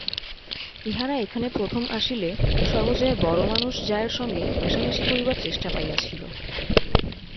ইহারা এখানে প্রথম আসিলে সর্বজয়া বড়মানুষ জায়ের সঙ্গে মেশামেশি করিবার চেষ্টা পাইয়াছিল।